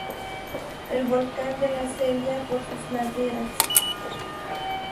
El volcán de La Celia, por sus laderas.